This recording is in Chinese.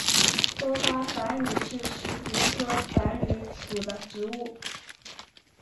多花繁缕是石竹科繁缕属的植物。